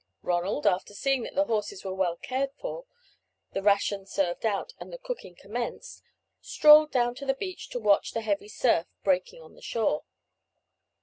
Ronald, after seeing that the horses were well cared for, the rations served out, and the cooking commenced, strolled down to the beach to watch the heavy surf breaking on the shore.